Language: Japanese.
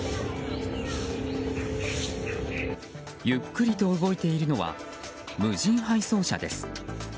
ゆっくりと動いているのは無人配送車です。